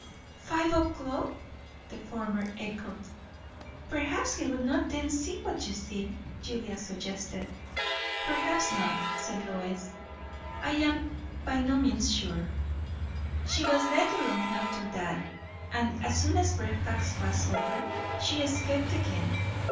"Five o'clock!" the former echoed. "Perhaps he would not then see what you see," Julia suggested. "Perhaps not," said Lois. "I am by no means sure." She was let alone after that; and as soon as breakfast was over she escaped again.